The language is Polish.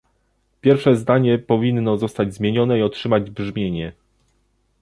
Pierwsze zdanie powinno zostać zmienione i otrzymać brzmienie